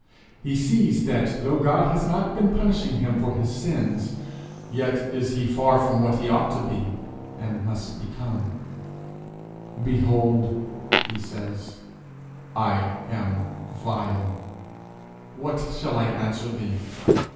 He sees that though God has not been punishing him for his sins, yet is he far from what he ought to be, and must become: 'Behold,' he says, 'I am vile; what shall I answer thee?